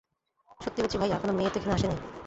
সত্যি বলছি ভাইয়া, কোনো মেয়ে তো এখানে আসেনি।